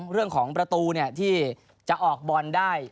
เรื่องของประตูที่จะออกบอลได้